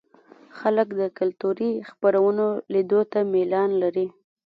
خلک د کلتوري خپرونو لیدو ته میلان لري.